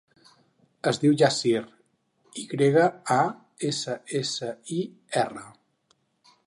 Es diu Yassir: i grega, a, essa, essa, i, erra.